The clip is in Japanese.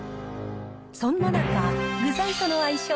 そんな中、具材との相性